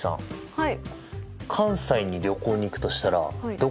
はい。